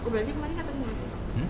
berarti kemarin gak ketemu mas